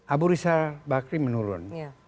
abu rizal bakri menurun